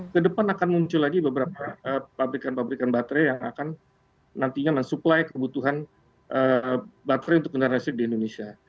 kedepan akan muncul lagi beberapa pabrikan pabrikan baterai yang akan nantinya mensuplai kebutuhan baterai untuk kendaraan listrik di indonesia